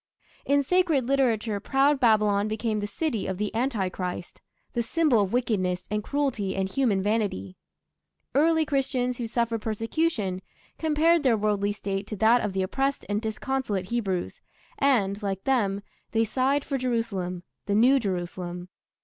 In sacred literature proud Babylon became the city of the anti Christ, the symbol of wickedness and cruelty and human vanity. Early Christians who suffered persecution compared their worldly state to that of the oppressed and disconsolate Hebrews, and, like them, they sighed for Jerusalem the new Jerusalem.